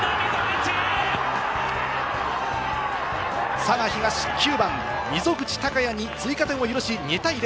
佐賀東９番・溝口貴也に追加点を許し２対０。